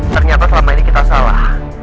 ternyata selama ini kita salah